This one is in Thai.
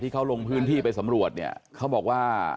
เขาลงพื้นที่ไปสำรวจเนี่ยเขาบอกว่า